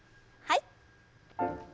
はい。